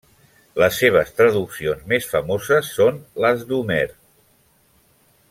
Les seves traduccions més famoses són les d'Homer.